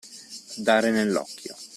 Dare nell'occhio.